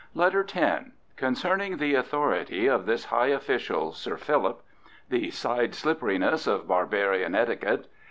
LETTER X Concerning the authority of this high official, Sir Philip. The side slipperyness of barbarian etiquette.